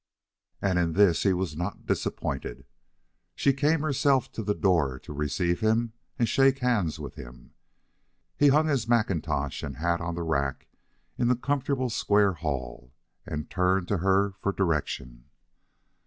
And in this he was not disappointed. She came herself to the door to receive him and shake hands with him. He hung his mackintosh and hat on the rack in the comfortable square hall and turned to her for direction.